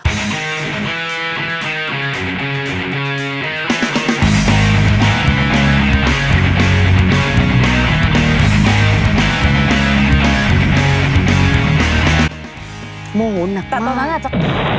โอ้โหหนักมาก